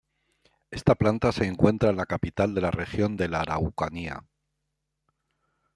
Esta planta se encuentra en la capital de la Región de La Araucanía.